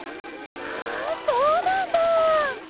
あそうなんだ！